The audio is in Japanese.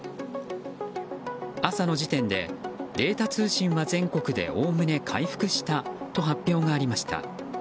朝の時点でデータ通信は全国でおおむね回復したと発表がありました。